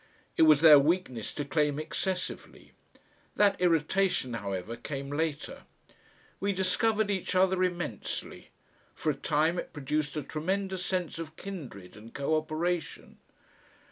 It was their weakness to claim excessively. That irritation, however, came later. We discovered each other immensely; for a time it produced a tremendous sense of kindred and co operation.